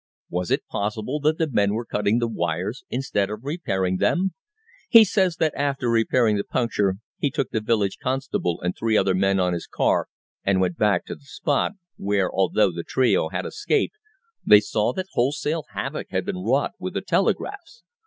Was it possible that the men were cutting the wires, instead of repairing them? He says that after repairing the puncture he took the village constable and three other men on his car and went back to the spot, where, although the trio had escaped, they saw that wholesale havoc had been wrought with the telegraphs.